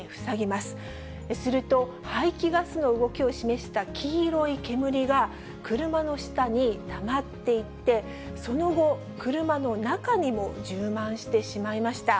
すると、排気ガスの動きを示した黄色い煙が、車の下にたまっていって、その後、車の中にも充満してしまいました。